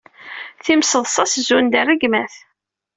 Timseḍsa-s zun d rregmat.